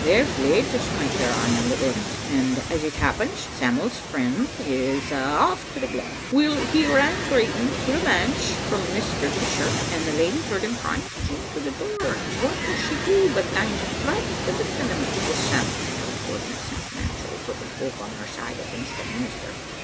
They're fleid to smit their ain litlins; and as it happens, Sam'l's friends is a' aflE to the glen. Weel, he ran greeting to the manse for Mr. Dishart, and the lady heard him crying to Jean through the door, and what does she do but gang straucht to the Tenements wi* Sam'l. Her goodness has naturally put the folk on her side against the minister."